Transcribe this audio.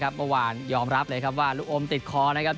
เกมแรงค่อนข้างได้กลับมารับว่าลูกอมลงทิศติศอัทธิริเว้อนนะครับ